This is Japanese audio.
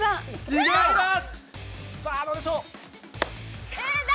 違います！